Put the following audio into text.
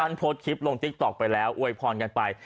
กันโพสต์คลิปลงกมาไปแล้วอวยพรกันไป